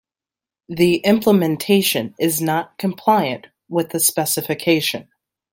The implementation is not compliant with the specification.